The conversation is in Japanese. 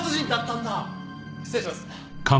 失礼します。